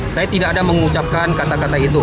saya tidak ada mengucapkan kata kata itu